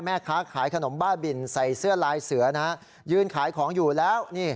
แม่ค้าขายขนมบ้าบินใส่เสื้อลายเสือนะฮะยืนขายของอยู่แล้วนี่